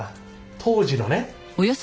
当時のね。